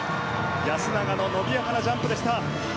安永の伸びやかなジャンプでした！